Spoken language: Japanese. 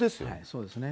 そうですね。